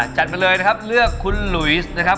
จัดมาเลยนะครับเลือกคุณหลุยสนะครับ